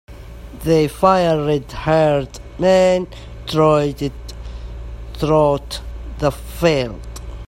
The fiery red-haired man trotted through the field.